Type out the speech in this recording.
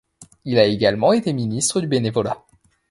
Il a également été ministre du Bénévolat.